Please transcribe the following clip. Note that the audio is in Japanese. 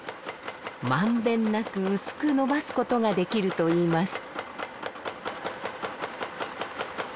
満遍なく薄く伸ばすことができるといいます。